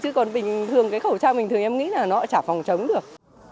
chứ còn bình thường cái khẩu trang bình thường em nghĩ là nó chả phòng chống được